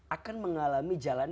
akan mengalami jalan